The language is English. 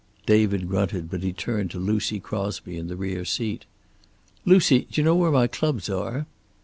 David grunted, but he turned to Lucy Crosby, in the rear seat: "Lucy, d'you know where my clubs are?"